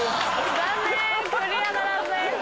残念クリアならずです。